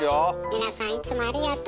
皆さんいつもありがとう。